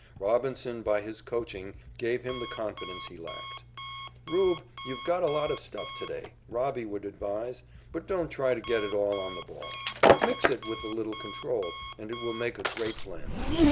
Robinson by his coaching gave him the confidence he lacked. "'Rube,' you've got a lot of stuff to day," "Robbie" would advise, "but don't try to get it all on the ball. Mix it with a little control, and it will make a great blend.